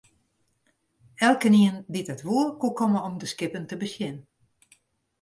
Elkenien dy't dat woe, koe komme om de skippen te besjen.